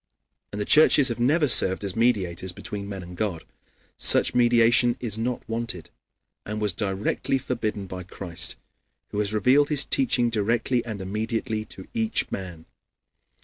And the churches have never served as mediators between men and God. Such mediation is not wanted, and was directly forbidden by Christ, who has revealed his teaching directly and immediately to each man.